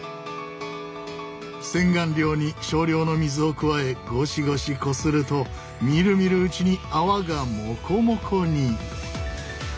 洗顔料に少量の水を加えゴシゴシこするとみるみるうちに泡がモコモコに！